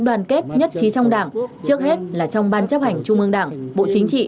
đoàn kết nhất trí trong đảng trước hết là trong ban chấp hành trung ương đảng bộ chính trị